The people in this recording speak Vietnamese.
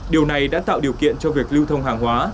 điều này đã tạo điều kiện cho việc lưu thông hàng hóa